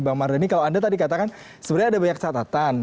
bang mardhani kalau anda tadi katakan sebenarnya ada banyak catatan